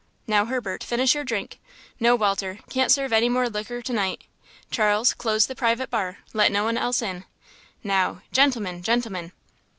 Now, Herbert, finish your drink. No, Walter, can't serve any more liquor to night.... Charles, close the private bar, let no one else in.... Now, gentlemen, gentlemen."